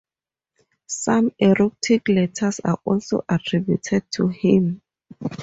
Some erotic letters are also attributed to him.